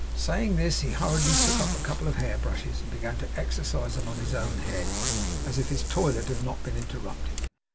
Saying this, he hurriedly took up a couple of hair brushes, and began to exercise them on his own head, as if his toilet had not been interrupted.